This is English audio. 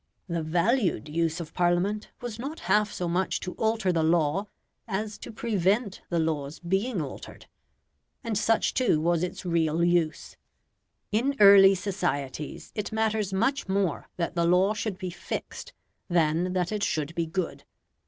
The VALUED use of Parliament was not half so much to alter the law, as to prevent the laws being altered. And such too was its real use. In early societies it matters much more that the law should be fixed than that it should be good.